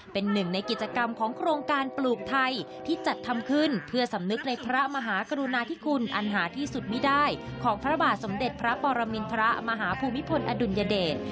เป็นหนึ่งในกิจกรรมของโครงการปลูกไทยที่จัดทำขึ้นเพื่อสำนึกในพระมหากรุณาธิคุณอันหาที่สุดไม่ได้ของพระบาทสมเด็จพระปรมินทรมาหาภูมิพลอดุลยเดช